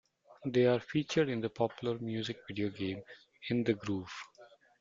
They are featured in the popular music video game "In the Groove".